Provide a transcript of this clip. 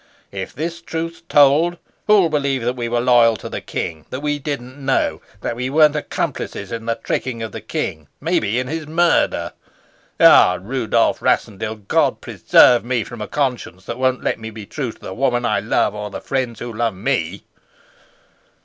If this truth's told, who'll believe that we were loyal to the king, that we didn't know, that we weren't accomplices in the tricking of the king maybe, in his murder? Ah, Rudolf Rassendyll, God preserve me from a conscience that won't let me be true to the woman I love, or to the friends who love me!"